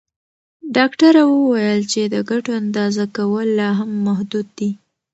ډاکټره وویل چې د ګټو اندازه کول لا هم محدود دي.